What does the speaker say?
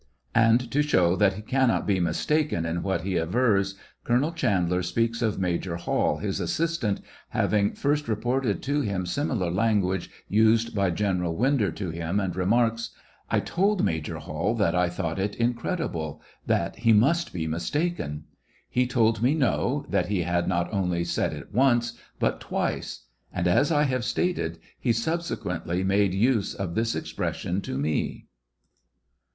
And to show that he. cannot be mistaken in what he avers; Colonel Chandler speaks of Major Hall, his assistant, having first reported to him similar language used by General Winder to him, and remarks : I told Major Hall that. I thought it incredible, that he must be mistaken. He told me no, that he had not only said it once, but twice; and, as I have stated, he subsequently made use of this expression to me.